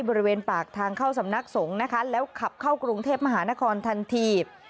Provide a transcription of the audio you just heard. บริเวณปากทางเข้าสำนักสงฆ์นะคะแล้วขับเข้ากรุงเทพมหานครทันที